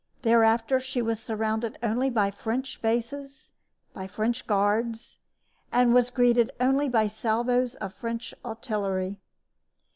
Thereafter she was surrounded only by French faces, by French guards, and was greeted only by salvos of French artillery.